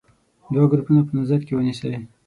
دوه ګروپونه په نظر کې ونیسئ.